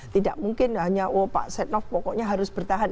tidak mungkin hanya pak setia novanto pokoknya harus bertahan